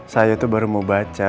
saya itu baru mau baca